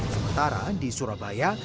sementara di surabaya